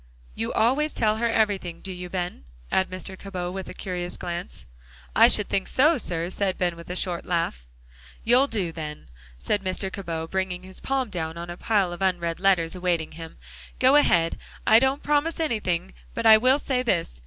"You always tell her everything, do you, Ben?" asked Mr. Cabot with a curious glance. "I should think so, sir," said Ben, with a short laugh. "You'll do, then," said Mr. Cabot, bringing his palm down on a pile of unread letters awaiting him. "Go ahead. I don't promise anything, but I will say this.